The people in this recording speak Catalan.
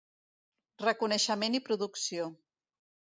Reconeixement i producció.